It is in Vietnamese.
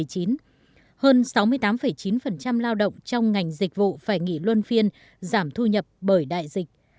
hơn sáu mươi tám chín lao động trong ngành dịch vụ phải nghỉ luân phiên giảm thu nhập bởi đại dịch